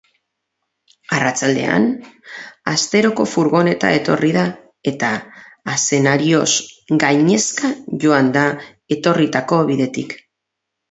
Arratsaldean, asteroko furgoneta etorri da eta azenarioz gainezka joan da etorritako bidetik.